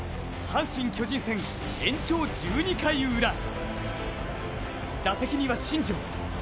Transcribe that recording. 阪神×巨人戦、延長１２回ウラ打席には新庄。